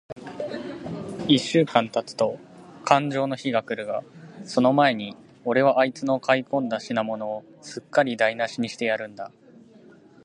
一週間たつとかんじょうの日が来るが、その前に、おれはあいつの買い込んだ品物を、すっかりだいなしにしてやるんだ。